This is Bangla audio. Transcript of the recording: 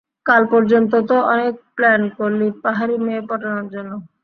কাল পর্যন্ত তো অনেক প্লান করলি পাহাড়ি মেয়ে পটানোর জন্য?